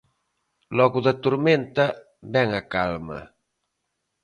Logo da tormenta, vén a calma.